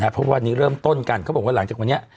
เพราะวันนี้เริ่มต้นกันเขาบอกว่าหลังจากวันนี้